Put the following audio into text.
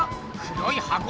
黒い箱？